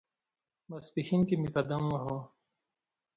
ماپښین کې مې قدم واهه.